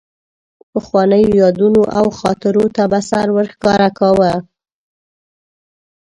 پخوانیو یادونو او خاطرو ته به سر ورښکاره کاوه.